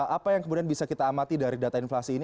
apa yang kemudian bisa kita amati dari data inflasi ini